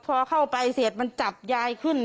พอเข้าไปเสร็จมันจับยายขึ้น